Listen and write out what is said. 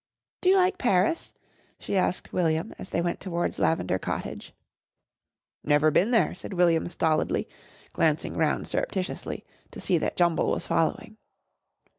"Do you like Paris?" she asked William as they went towards Lavender Cottage. "Never been there," said William stolidly, glancing round surreptitiously to see that Jumble was following.